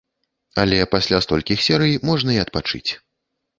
Але пасля столькіх серый можна і адпачыць.